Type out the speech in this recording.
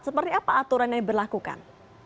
seperti apa aturannya diberlakukan